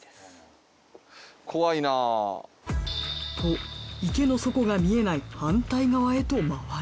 怖いな。と池の底が見えない反対側へと回る